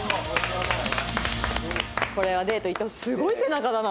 これはデート行ってほしいすごい背中だな！